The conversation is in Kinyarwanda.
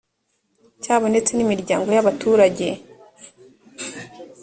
cyabo ndetse n imiryango y abaturage